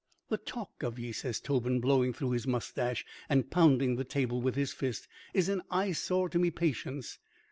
"The talk of ye," says Tobin, blowing through his moustache and pounding the table with his fist, "is an eyesore to me patience.